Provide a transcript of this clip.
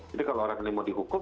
jadi kalau orang ini mau dihukum